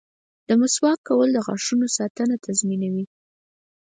• د مسواک کول د غاښونو ساتنه تضمینوي.